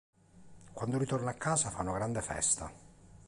Quando ritorna a casa fa una grande festa!